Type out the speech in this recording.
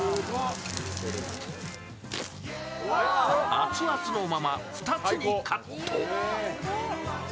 熱々のまま、２つにカット。